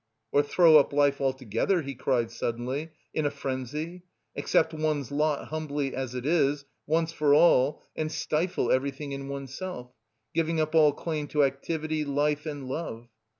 "Or throw up life altogether!" he cried suddenly, in a frenzy "accept one's lot humbly as it is, once for all and stifle everything in oneself, giving up all claim to activity, life and love!"